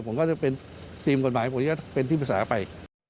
ผมก็จะเป็นทีมกฎหมายผมจะเป็นที่ปรึกษาไป